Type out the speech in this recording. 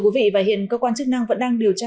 và hiện cơ quan chức năng vẫn đang điều tra